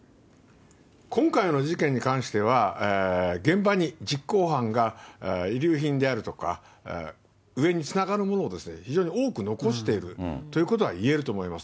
今回の事件に関しては、現場に、実行犯が遺留品であるとか、上につながるものを非常に多く残しているということはいえると思います。